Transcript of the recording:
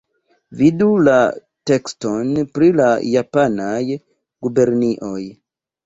Vidu la tekston pri la japanaj gubernioj.